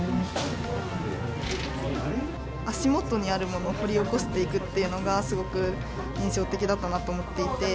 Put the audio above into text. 足元にあるものを掘り起こしていくっていうのがすごく印象的だったなと思っていて。